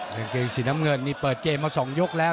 กางเกงสีน้ำเงินนี่เปิดเกมมา๒ยกแล้ว